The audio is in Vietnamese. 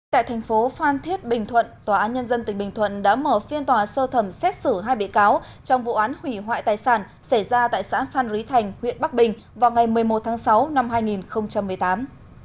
tại thành phố phan thiết bình thuận tòa án nhân dân tỉnh bình thuận đã mở phiên tòa sơ thẩm xét xử hai bị cáo trong vụ án hủy hoại tài sản xảy ra tại xã phan rí thành huyện bắc bình vào ngày một mươi một tháng sáu năm hai nghìn một mươi tám